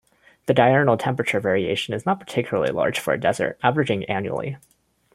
The diurnal temperature variation is not particularly large for a desert, averaging annually.